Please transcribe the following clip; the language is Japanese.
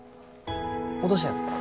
落としたよ。